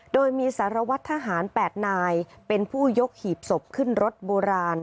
โดยมีสารวัตรทหาร๘นายเป็นผู้ยกหีบศพขึ้นรถโบราณ